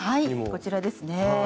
こちらですね。